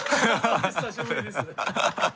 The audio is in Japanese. お久しぶりです。